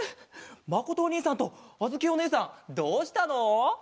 まことおにいさんとあづきおねえさんどうしたの？